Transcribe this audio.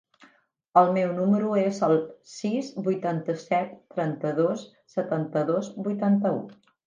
El meu número es el sis, vuitanta-set, trenta-dos, setanta-dos, vuitanta-u.